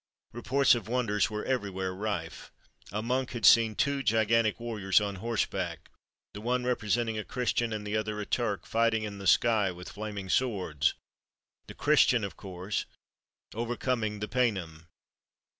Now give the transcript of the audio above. Reports of wonders were every where rife. A monk had seen two gigantic warriors on horseback, the one representing a Christian and the other a Turk, fighting in the sky with flaming swords, the Christian of course overcoming the Paynim.